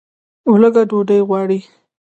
لوږه ډوډۍ غواړي